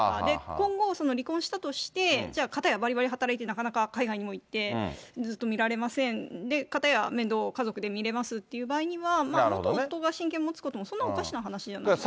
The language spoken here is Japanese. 今後、離婚したとして、じゃあ、片やばりばり働いて、なかなか、海外にも行って、ずっと見られません、で、片や面倒を家族で見れますっていう場合には、元夫が親権持つこともそんなおかしな話じゃないですね。